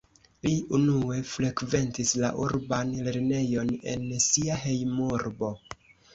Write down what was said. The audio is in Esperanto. Li unue frekventis la urban lernejon en sia hejmurbo.